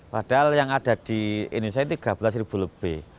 padahal yang ada di indonesia ini tiga belas ribu lebih